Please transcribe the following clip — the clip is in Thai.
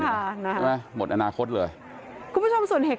ใช่ไหมหมดอนาคตเลย